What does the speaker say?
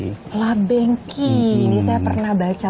di sini saya pernah baca